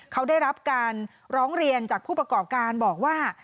เขาได้รับการร้องเรียนจากผู้ประกอบการบอกว่า